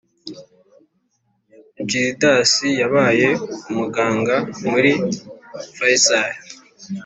Gildas yabaye umuganga muri Faisal